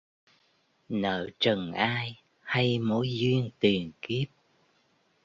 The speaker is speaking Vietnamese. Nợ trần ai hay mối duyên tiền kiếp